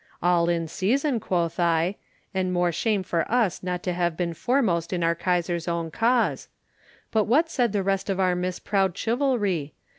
All in reason, quoth I, and more shame for us not to have been foremost in our Kaisar's own cause; but what said the rest of our misproud chivalry?